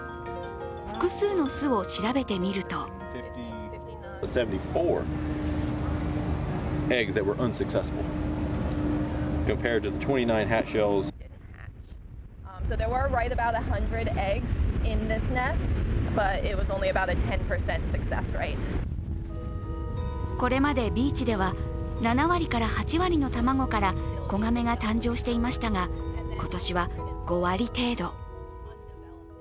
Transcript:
複数の巣を調べてみるとこれまでビーチでは７割から８割の卵から子ガメが誕生していましたが、今年は５割程度。